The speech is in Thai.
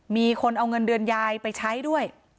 มีคนเอาเงินเดือนยายไปใช้ด้วย